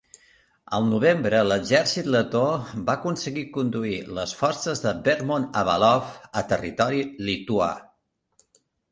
Al novembre, l'exèrcit letó va aconseguir conduir les forces de Bermont-Avalov a territori lituà.